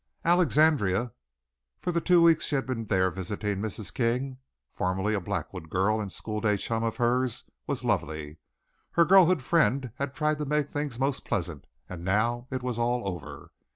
Alexandria, for the two weeks she had been there visiting Mrs. King (formerly a Blackwood girl and school day chum of hers), was lovely. Her girlhood friend had tried to make things most pleasant and now it was all over.